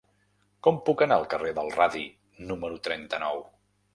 Com puc anar al carrer del Radi número trenta-nou?